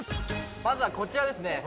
まずはこちらですね